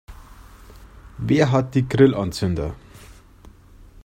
Wer hat die Grillanzünder?